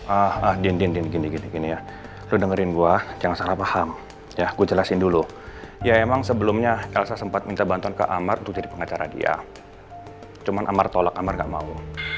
ah dinding gini gini ya lu dengerin gue jangan salah paham ya gue jelasin dulu ya emang sebelumnya elsa sempat minta bantuan ke amar untuk jadi pengacara dia cuma amar tolak amar gak mau